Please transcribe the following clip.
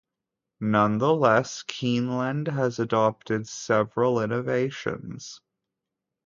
Nonetheless, Keeneland has adopted several innovations.